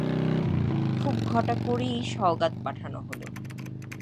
খুব ঘটা করেই সওগাত পাঠানো হল।